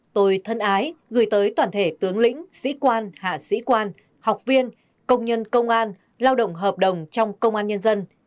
tôi thân ái gửi tới toàn thể tướng lĩnh sĩ quan hạ sĩ quan học viên công nhân công an lao động hợp đồng trong công an nhân dân